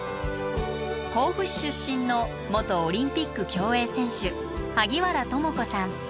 甲府市出身の元オリンピック競泳選手萩原智子さん。